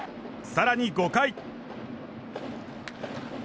更に５回。